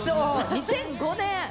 ２００５年？